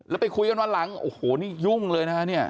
แล้วไปคุยกันวันหลังโอ้โหนี่ยุ่งเลยนะฮะเนี่ย